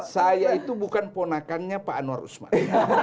saya itu bukan ponakannya pak anwar usman